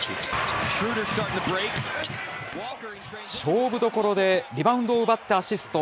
勝負どころで、リバウンドを奪ってアシスト。